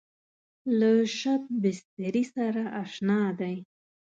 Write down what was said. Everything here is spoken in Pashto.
له شبستري سره اشنا دی.